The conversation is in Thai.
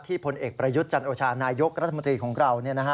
พลเอกประยุทธ์จันโอชานายกรัฐมนตรีของเรา